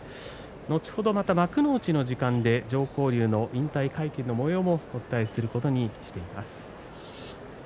後ほどまた幕内の時間で常幸龍の引退会見のもようをお伝えすることにしています。